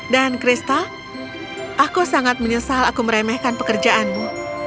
dan crystal aku sangat menyesal aku meremehkan pekerjaanmu